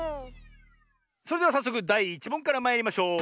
それではさっそくだい１もんからまいりましょう！